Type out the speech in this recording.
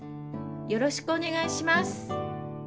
よろしくお願いします！